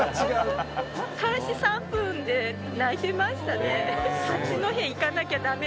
開始３分で泣いてましたね。